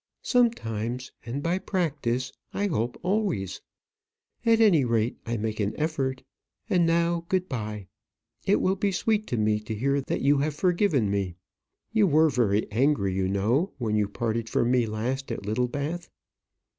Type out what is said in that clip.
"Sometimes; and by practice I hope always; at any rate, I make an effort. And now, good bye. It will be sweet to me to hear that you have forgiven me. You were very angry, you know, when you parted from me last at Littlebath."